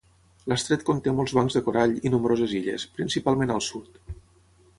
L'estret conté molts bancs de corall i nombroses illes, principalment al sud.